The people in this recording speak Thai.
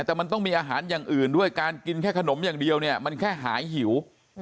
แต่มันต้องมีอาหารอย่างอื่นด้วยการกินแค่ขนมอย่างเดียวเนี่ยมันแค่หายหิว